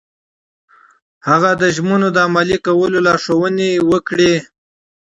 هغه د ژمنو د عملي کولو لارښوونې وکړې.